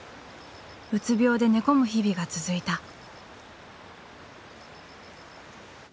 うつ病で寝込む日々が続いた。